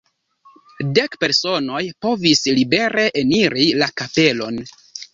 Dek personoj povis libere eniri la kapelon.